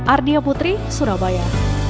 ardia putri surabaya